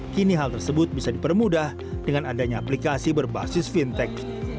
kini hal tersebut bisa dipermudah dengan adanya aplikasi berbasis fintech